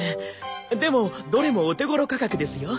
でもどれもお手頃価格ですよ。